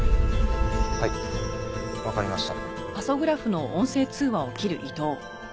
はいわかりました。